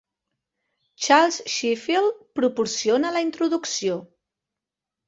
Charles Sheffield proporciona la introducció.